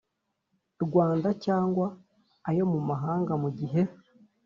Rwanda cyangwa ayo mu mahanga mu gihe